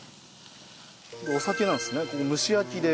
お酒なんですね蒸し焼きで。